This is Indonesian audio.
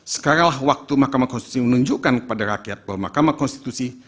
sekaranglah waktu mahkamah konstitusi menunjukkan kepada rakyat bahwa mahkamah konstitusi